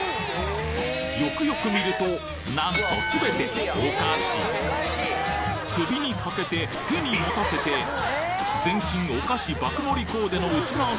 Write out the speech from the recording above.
よくよく見るとなんと全てお菓子首に掛けて手に持たせて全身お菓子爆盛りコーデのウチナー